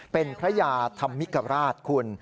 เป็นพระยาธรรมิกราชคุณ